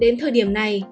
đến thời điểm này